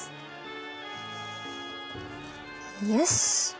よし。